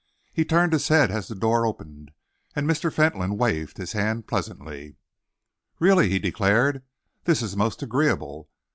He turned his head as the door opened, and Mr. Fentolin waved his hand pleasantly. "Really," he declared, "this is most agreeable.